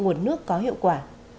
nguồn nước có hiệu quả